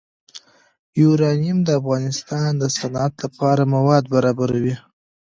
یورانیم د افغانستان د صنعت لپاره مواد برابروي.